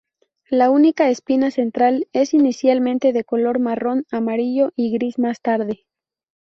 La única espina central es inicialmente de color marrón amarillo y gris más tarde.